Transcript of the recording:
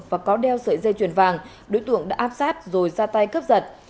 và có đeo sợi dây chuyền vàng đối tượng đã áp sát rồi ra tay cướp giật